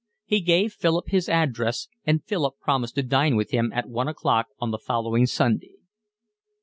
He gave Philip his address, and Philip promised to dine with him at one o'clock on the following Sunday.